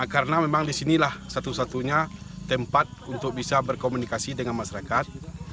karena memang di sinilah satu satunya tempat untuk bisa berkomunikasi dengan masyarakat